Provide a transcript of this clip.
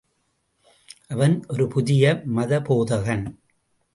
அவன் ஒரு புதிய மதபோதகன்!